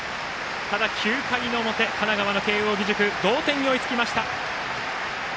ただ、９回の表神奈川の慶応義塾は同点に追いつきました。